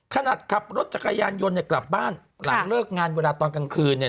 คะนาดขับรถจักรยามย่นกลับบ้านนะเหลิกงานเวลาตอนกลางคืนเนี่ย